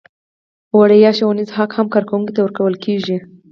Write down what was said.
وړیا ښوونیز حق هم کارکوونکي ته ورکول کیږي.